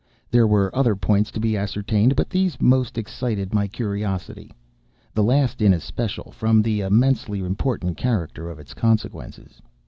There were other points to be ascertained, but these most excited my curiosity—the last in especial, from the immensely important character of its consequences.